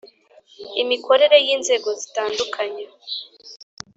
Imikorere y inzego zitandukanye